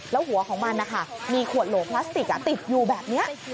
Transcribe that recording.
แล้วหัวของมันนะคะมีขวดโหลพลาสติกติดอยู่แบบนี้